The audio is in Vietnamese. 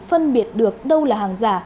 phân biệt được đâu là hàng giả